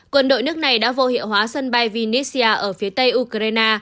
quân đội nước này đã vô hiệu hóa sân bay vinisia ở phía tây ukraine